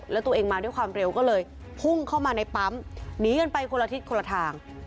แล้วตัวเองมาด้วยความเร็วก็เลยพุ่งเข้ามาในปั๊มหนีกันไปคนละทิศคนละทาง